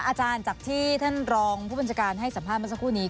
อาจารย์จากที่ท่านรองผู้บัญชาการให้สัมภาษณ์เมื่อสักครู่นี้